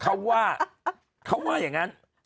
เขาว่าเขาว่าอย่างนั้น